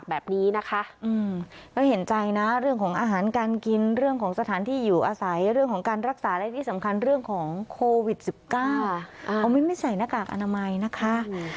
ไม่ใส่หน้ากากอนามัยนะคะ